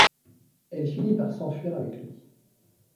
Elle finit par s'enfuir avec lui.